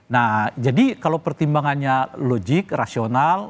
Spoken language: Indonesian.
nah jadi kalau pertimbangannya logik rasional